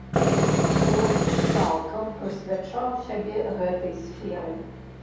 Ён цалкам прысвячаў сябе гэтай сферы.